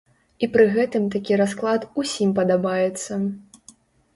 І пры гэтым такі расклад усім падабаецца.